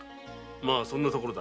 マァそんなところだ。